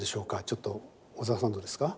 ちょっと小沢さんどうですか？